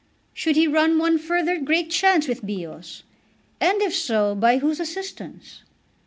Should he run one further great chance with Bios, and if so, by whose assistance?